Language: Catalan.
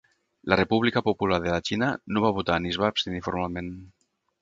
La República Popular de la Xina no va votar ni es va abstenir formalment.